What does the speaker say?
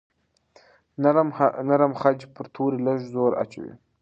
نرم خج پر توري لږ زور اچوي.